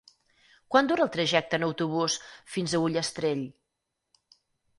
Quant dura el trajecte en autobús fins a Ullastrell?